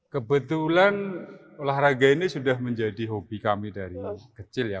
kebetulan olahraga ini sudah menjadi hobi kami dari kecil ya